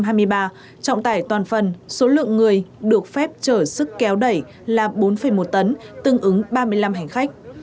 trọng tải toàn phần số lượng người được phép chở sức kéo đẩy là bốn một tấn tương ứng ba mươi năm hành khách